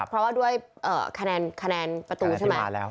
เพราะว่าด้วยคะแนนประตูใช่ไหม